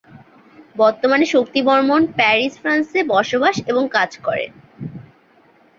বর্তমানে শক্তি বর্মণ প্যারিস, ফ্রান্সে বসবাস এবং কাজ করেন।